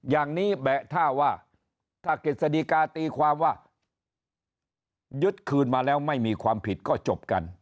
อย่างนี้แบะท่าว่าถ้ากฤษฎีกาตีความว่ายึดคืนมาแล้วไม่มีความผิดก็จบกัน